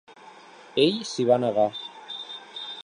Ell s’hi va negar.